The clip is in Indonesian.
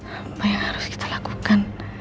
apa yang harus kita lakukan